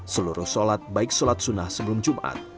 seluruh sholat baik sholat sunnah sebelum jumat